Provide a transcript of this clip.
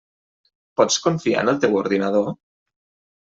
Pots confiar en el teu ordinador?